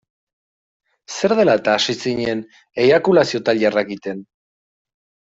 Zer dela-eta hasi zinen eiakulazio-tailerrak egiten?